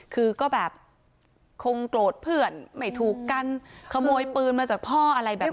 คือก็แบบคงโกรธเพื่อนไม่ถูกกันขโมยปืนมาจากพ่ออะไรแบบนี้